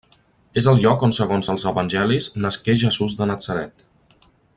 És el lloc on segons els evangelis, nasqué Jesús de Natzaret.